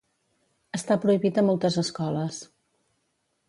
Està prohibit a moltes escoles.